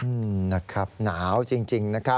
นะครับหนาวจริงนะครับ